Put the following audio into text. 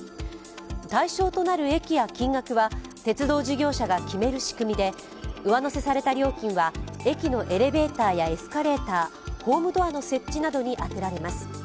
対象となる駅や金額は鉄道事業者が決める仕組みで上乗せされた料金は駅のエレベーターやエスカレーターホームドアの設置などに充てられます。